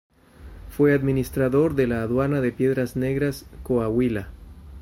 Fue administrador de la aduana de Piedras Negras, Coahuila.